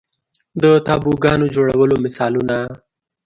د تابوګانو جوړولو مثالونه